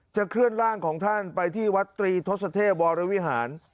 เคลื่อนร่างของท่านไปที่วัดตรีทศเทพวรวิหาร